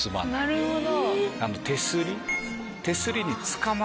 なるほど！